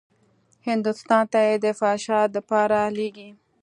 هندوستان ته يې د فحشا دپاره لېږي.